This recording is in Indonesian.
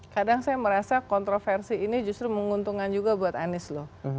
kadang saya merasa kontroversi ini justru menguntungkan juga buat anies loh